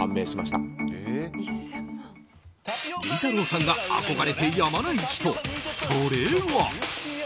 さんが憧れてやまない人、それは。